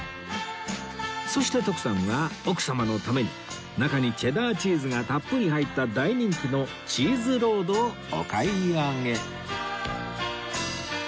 そして徳さんは奥様のために中にチェダーチーズがたっぷり入った大人気のチーズロードをお買い上げ